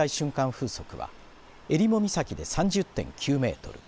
風速はえりも岬で３０．９メートル